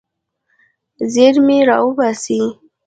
زیرمې راوباسئ.